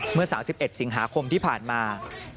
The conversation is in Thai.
เมื่อ๓๑สิงหาคมที่ผ่านมา